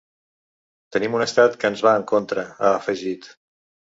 Tenim un estat que ens va en contra, ha afegit.